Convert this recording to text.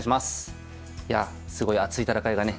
いやすごい熱い戦いがね